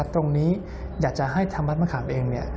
ตรงนี้อยากจะให้ทางวัดมะขามเอง